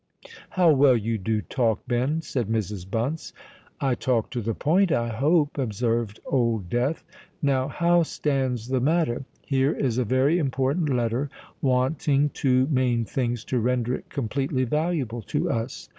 "How well you do talk, Ben," said Mrs. Bunce. "I talk to the point, I hope," observed Old Death. "Now how stands the matter? Here is a very important letter, wanting two main things to render it completely valuable to us.